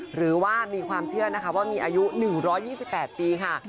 หรือว่ามีความเชื่อนะคะว่ามีอายุ๑๒๘ปีค่ะ